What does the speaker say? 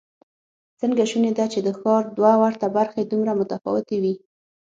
څنګه شونې ده چې د ښار دوه ورته برخې دومره متفاوتې وي؟